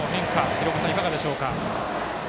廣岡さん、いかがでしょうか？